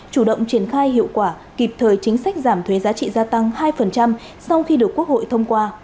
chủ động triển khai hiệu quả kịp thời chính sách giảm thuế giá trị gia tăng hai sau khi được quốc hội thông qua